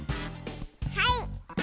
はい。